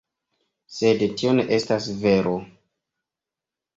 Sed tio ne estas vero.